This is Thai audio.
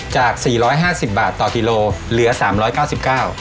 จาก๔๕๐บาทต่อกิโลเหลือ๓๙๙บาท